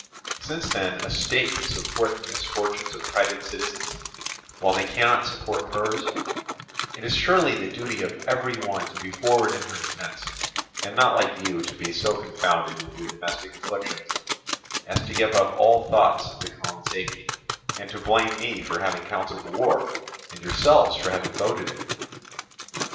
Since then a state can support the misfortunes of private citizens, while they cannot support hers, it is surely the duty of every one to be forward in her defence, and not like you to be so confounded with your domestic afflictions as to give up all thoughts of the common safety, and to blame me for having counselled war and yourselves for having voted it.